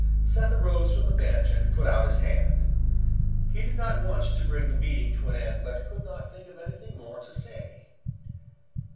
Seth arose from the bench and put out his hand. He did not want to bring the meeting to an end but could not think of anything more to say.